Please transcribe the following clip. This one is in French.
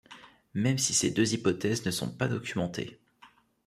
Même si ces deux hypothèse ne sont pas documentées.